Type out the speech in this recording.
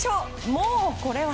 もうこれは。